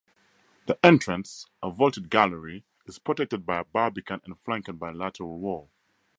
The entrance-a vaulted gallery-is protected by a barbican and flanked by a lateral wall.